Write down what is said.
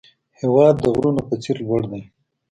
هېواد د غرونو په څېر لوړ دی.